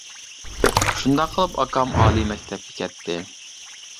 شۇنداق قىلىپ ئاكام ئالىي مەكتەپكە كەتتى.